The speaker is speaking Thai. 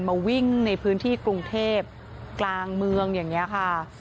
มาวิ่งในพื้นที่กรุงเทพกลางเมืองอย่างนี้ค่ะ